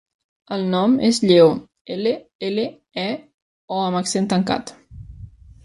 El nom és Lleó: ela, ela, e, o amb accent tancat.